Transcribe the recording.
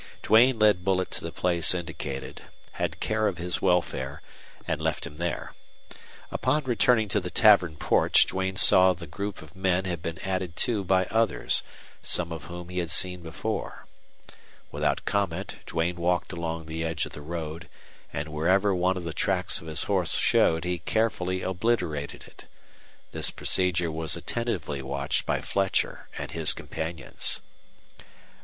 Duane led Bullet to the place indicated, had care of his welfare, and left him there. Upon returning to the tavern porch Duane saw the group of men had been added to by others, some of whom he had seen before. Without comment Duane walked along the edge of the road, and wherever one of the tracks of his horse showed he carefully obliterated it. This procedure was attentively watched by Fletcher and his companions.